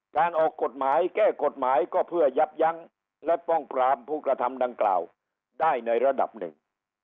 การออกกฎหมายแก้กฎหมายก็เพื่อยับยั้งและป้องปรามผู้กระทำดังกล่าวได้ในระดับหนึ่ง